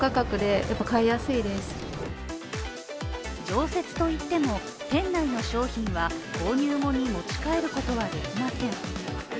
常設といっても、店内の商品は購入後に持ち帰ることはできません。